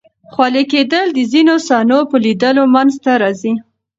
خولې کېدل د ځینو صحنو په لیدلو منځ ته راځي.